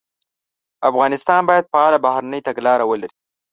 افغانستان باید فعاله بهرنۍ تګلاره ولري.